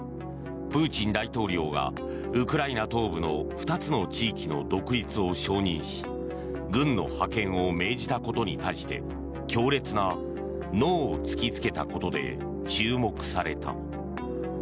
プーチン大統領がウクライナ東部の２つの地域の独立を承認し軍の派遣を命じたことに対して強烈なノーを突きつけたことで注目された。